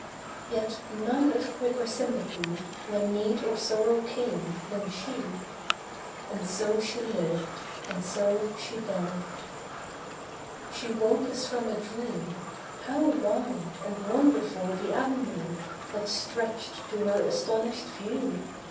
Yet none of quicker sympathy, When need or sorrow came, than she. And so she lived, and so she died. She woke as from a dream. How wide And wonderful the avenue That stretched to her astonished view!